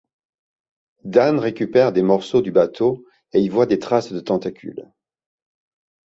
Dan récupère des morceaux du bateau et y voit des traces de tentacules.